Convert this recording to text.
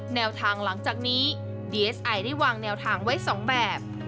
แนวทางหลังจากนี้ดีเอสไอได้วางแนวทางไว้๒แบบ